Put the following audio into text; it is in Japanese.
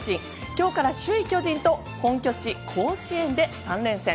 今日から首位、巨人と本拠地甲子園で３連戦。